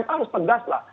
saya harus tegas lah